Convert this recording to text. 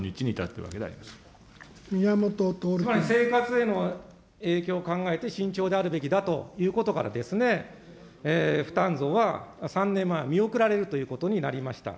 つまり、生活への影響を考えて慎重であるべきだということからですね、負担増は３年前、見送られるということになりました。